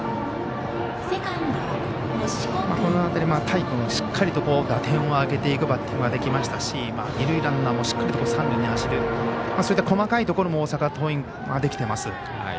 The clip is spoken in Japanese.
この辺り田井君、しっかり打点を挙げてくバッティングできましたし二塁ランナーもしっかりと三塁に走ってそういった細かいところも大阪桐蔭できています。